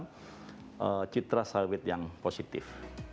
kita juga mencari cita sawit yang positif